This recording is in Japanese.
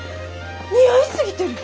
似合い過ぎてる！